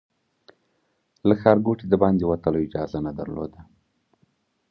له ښارګوټي د باندې وتلو اجازه نه درلوده.